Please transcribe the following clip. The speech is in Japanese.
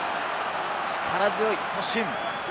力強い突進。